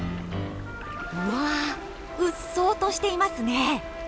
うわうっそうとしていますね。